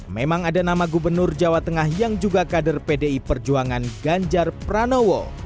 memang ada nama gubernur jawa tengah yang juga kader pdi perjuangan ganjar pranowo